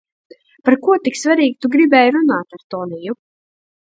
Par ko tik svarīgu tu gribēji runāt ar Toniju?